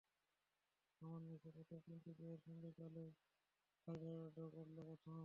সমান ম্যাচে মাত্র তিনটি জয়ের সঙ্গে কালই বারিধারা ড্র করল প্রথম।